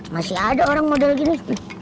masih ada orang model gini